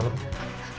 renda renda kenapa